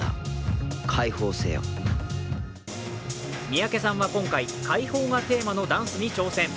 三宅さんは今回解放がテーマのダンスに挑戦。